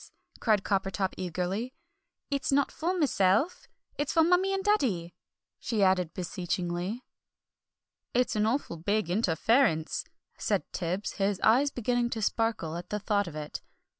cried Coppertop eagerly. "It's not for myself, it's for Mummie and Daddy!" she added beseechingly. "It's an awful big interference," said Tibbs, his eyes beginning to sparkle at the thought of it.